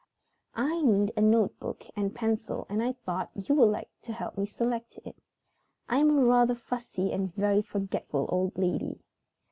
"I need a notebook and pencil and I thought you would like to help me select it. I am a rather fussy and very forgetful old lady."